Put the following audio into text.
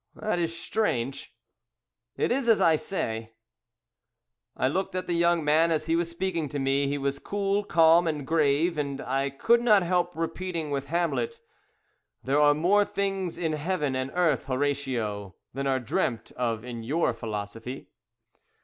"That is strange." "It is as I say." I looked at the young man as he was speaking to me. He was cool, calm, and grave, and I could not help repeating with Hamlet "There are more things in heaven and earth, Horatio, Than are dreamt of in your philosophy."